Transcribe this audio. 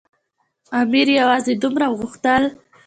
امیر یوازې دومره غوښتل.